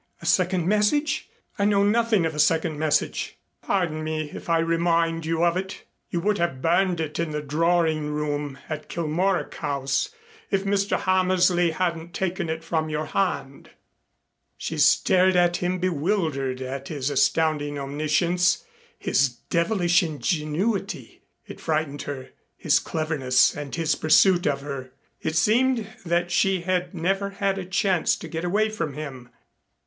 A second message? I know nothing of a second message." "Pardon me, if I remind you of it. You would have burned it in the drawing room at Kilmorack House if Mr. Hammersley hadn't taken it from your hand." She stared at him bewildered at his astounding omniscience, his devilish ingenuity. It frightened her, his cleverness and his pursuit of her. It seemed that she had never had a chance to get away from him.